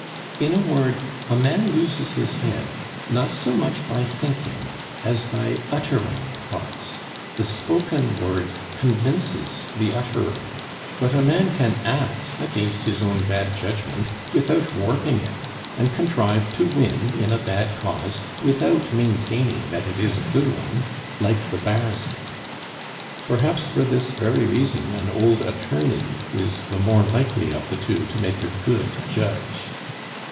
In a word, a man loses his head not so much by thinking as by uttering thoughts. The spoken word convinces the utterer; but a man can act against his own bad judgment without warping it, and contrive to win in a bad cause without maintaining that it is a good one, like the barrister. Perhaps for this very reason an old attorney is the more likely of the two to make a good judge.